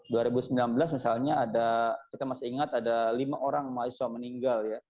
di tahun ini dua ribu sembilan belas misalnya ada kita masih ingat ada lima orang mahasiswa meninggal